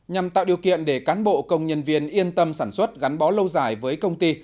nhằm tạo điều kiện để cán bộ công nhân viên yên tâm sản xuất gắn bó lâu dài với công ty